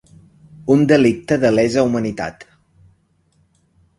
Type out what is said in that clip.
Un delicte de lesa humanitat.